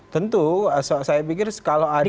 tentu saya pikir kalau ada